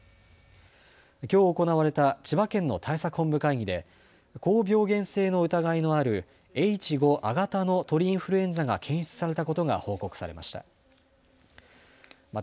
きょう行われた千葉県の対策本部会議で高病原性の疑いのあるＨ５亜型の鳥インフルエンザが検出されたことが報告されました。